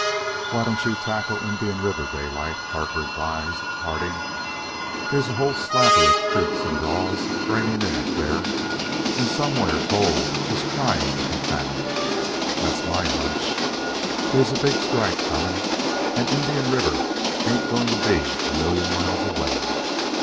"Why don't you tackle Indian River, Daylight?" Harper advised, at parting. "There's whole slathers of creeks and draws draining in up there, and somewhere gold just crying to be found. That's my hunch. There's a big strike coming, and Indian River ain't going to be a million miles away."